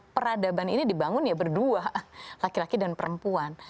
peradaban ini dibangun ya berdua laki laki dan perempuan